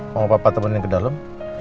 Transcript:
mau papa temenin ke dalam